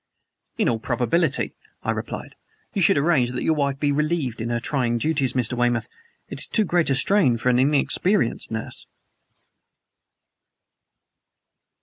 "In all probability," I replied. "You should arrange that your wife be relieved in her trying duties, Mr. Weymouth. It is too great a strain for an inexperienced nurse."